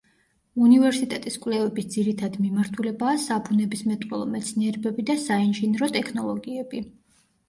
უნივერსიტეტის კვლევების ძირითადი მიმართულებაა საბუნებისმეტყველო მეცნიერებები და საინჟინრო ტექნოლოგიები.